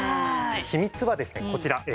秘密はですねこちら。